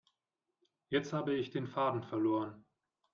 Jetzt habe ich den Faden verloren.